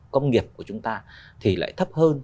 công nghiệp của chúng ta thì lại thấp hơn